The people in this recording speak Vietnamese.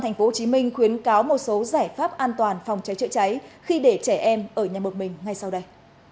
tp hcm khuyến cáo một số giải pháp an toàn phòng cháy chữa cháy khi để trẻ em ở nhà một mình ngay sau đây